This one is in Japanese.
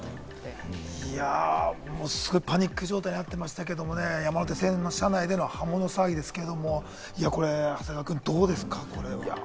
すごいパニック状態になっていましたけれど、山手線の車内での刃物騒ぎですけれど、長谷川くん、どうですか？